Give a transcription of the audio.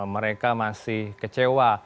mereka masih kecewa